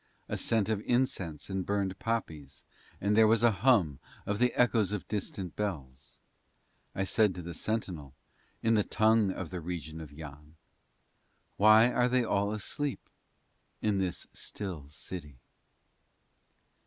A scent of incense and burned poppies, and there was a hum of the echoes of distant bells. I said to the sentinel in the tongue of the region of Yann, "Why are they all asleep in this still city?"